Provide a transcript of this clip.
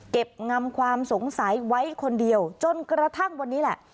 งำความสงสัยไว้คนเดียวจนกระทั่งวันนี้แหละ